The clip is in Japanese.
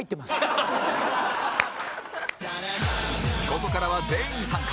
ここからは全員参加